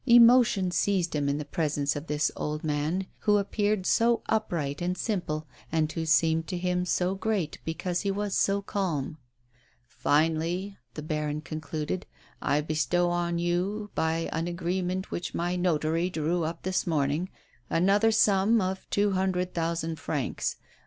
Emotion seized him in the presence of this old man, who appeared so upright and simple, and who seemed to him so great because he was so calm. "Finally," the baron concluded, "I bestow on you, by an agreement which my notary drew up this morning, another sum of two hundred thousand francs.